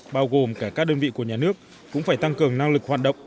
bao gồm cả các đơn vị của nhà nước cũng phải tăng cường năng lực hoạt động